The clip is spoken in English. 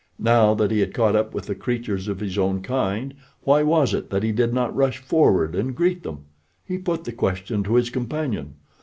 Now that he had caught up with the creatures of his own kind, why was it that he did not rush forward and greet them? He put the question to his companion.